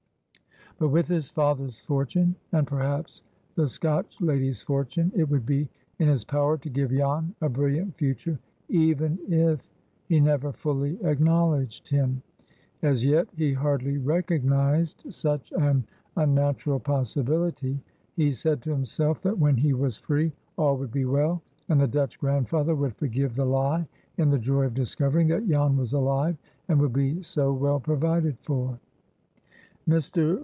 But with his father's fortune, and, perhaps, the Scotch lady's fortune, it would be in his power to give Jan a brilliant future, even if he never fully acknowledged him. As yet he hardly recognized such an unnatural possibility. He said to himself, that when he was free, all would be well, and the Dutch grandfather would forgive the lie in the joy of discovering that Jan was alive, and would be so well provided for. Mr.